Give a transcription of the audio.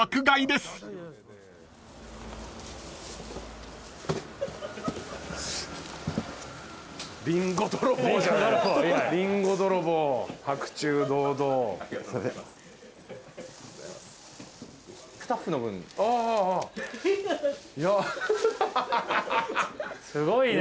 すごいな。